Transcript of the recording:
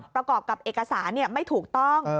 ประกอบกับเอกสารไม่ถูกต้อง